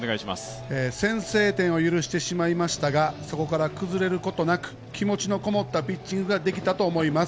先制点を許してしまいましたが、そこから崩れることなく気持ちのこもったピッチングができたと思います